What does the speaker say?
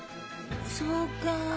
そうか。